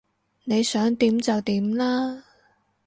你想點就點啦